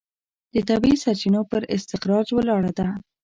د طبیعي سرچینو پر استخراج ولاړه ده.